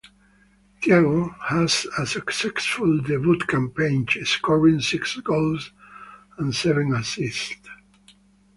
Thiago had a successful debut campaign, scoring six goals and seven assists.